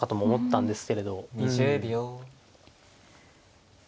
２０秒。